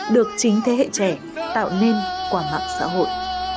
được chính thế hệ trẻ tạo nên qua mạng xã hội